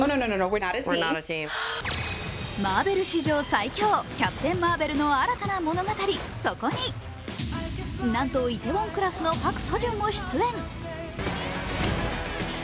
マーベル史上最強「キャプテン・マーベル」の新たな物語、そこになんと「梨泰院クラス」のパク・ソジュンも出演。